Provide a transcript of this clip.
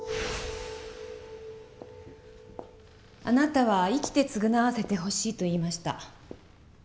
あなたは「生きて償わせてほしい」と言いました。